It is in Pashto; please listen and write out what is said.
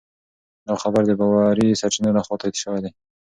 دا خبر د باوري سرچینو لخوا تایید شوی دی.